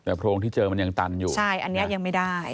แต่โพรงที่เจอมันยังตันอยู่ใช่อันนี้ยังไม่ได้